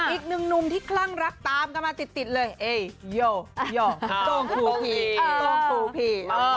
อีกหนึ่งหนุ่มที่คลั่งรักตามกันมาติดเลยเอ๊ยโย้โย่ตรงคู่พี่